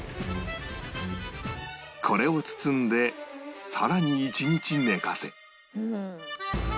これを包んでさらに一日寝かせ